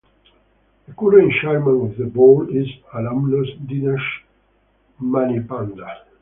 The current Chairman of the Board is alumnus Dinesh Maneyapanda.